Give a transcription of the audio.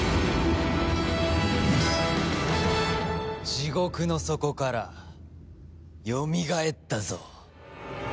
地獄の底からよみがえったぞ。